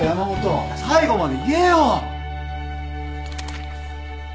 最後まで言えよ！